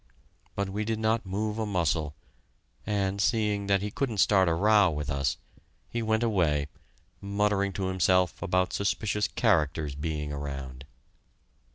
But we did not move a muscle, and, seeing that he couldn't start a row with us, he went away, muttering to himself about suspicious characters being around.